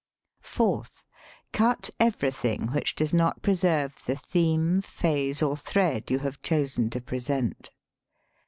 Fourth: Cut everything which does not preserve the theme, phase, or thread you have chosen to present.